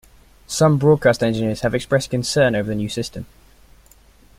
Some broadcast engineers have expressed concern over the new system.